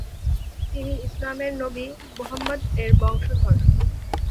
তিনি ইসলামের নবী মুহাম্মদ-এর বংশধর।